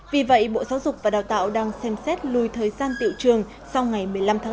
vì vậy bộ giáo dục và đào tạo đang xem xét lùi thời gian tiệu trường sau ngày một mươi năm tháng bốn